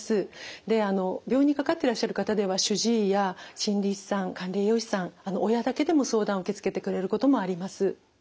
で病院にかかってらっしゃる方では主治医や心理士さん管理栄養士さん親だけでも相談受け付けてくれることもあります。